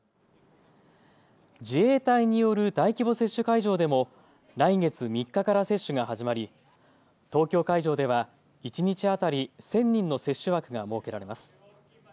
自衛隊による大規模接種会場でも来月３日から接種が始まり東京会場では一日当たり１０００人の接種枠が設けられます。